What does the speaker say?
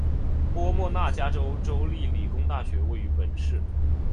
波莫纳加州州立理工大学位于本市。